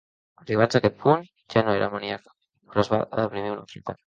Arribats a aquest punt, ja no era maníac, però es va deprimir un altre cop.